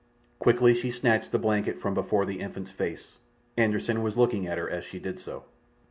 Quickly she snatched the blanket from before the infant's face; Anderssen was looking at her as she did so.